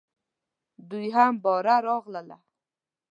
دوی هم باره راغله .